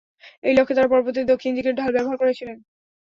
এই লক্ষ্যে তারা পর্বতের দক্ষিণ দিকের ঢাল ব্যবহার করেছিলেন।